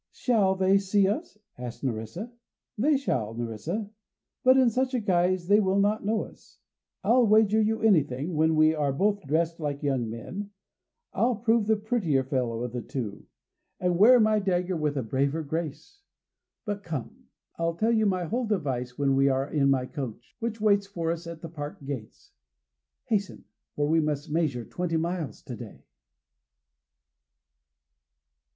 "Shall they see us?" asked Nerissa. "They shall, Nerissa, but in such a guise they will not know us. I'll wager you anything, when we are both dressed like young men, I'll prove the prettier fellow of the two, and wear my dagger with a braver grace! But come, I'll tell you my whole device when we are in my coach, which waits for us at the park gates. Hasten, for we must measure twenty miles to day."